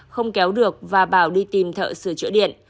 không kéo được và bảo đi tìm thợ sửa chữa điện